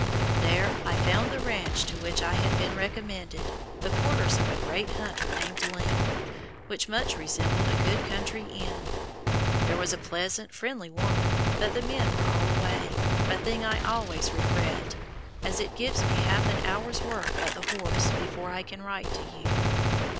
There I found the ranch to which I had been recommended, the quarters of a great hunter named Link, which much resembled a good country inn. There was a pleasant, friendly woman, but the men were all away, a thing I always regret, as it gives me half an hour's work at the horse before I can write to you.